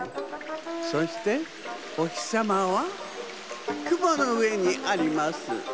そしておひさまはくものうえにあります。